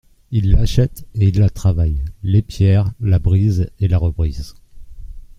Il l'achète et il la travaille, l'épierre, la brise, et la rebrise.